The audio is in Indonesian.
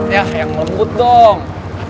yah yang lembut dong